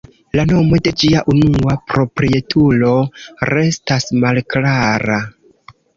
La nomo de ĝia unua proprietulo restas malklara.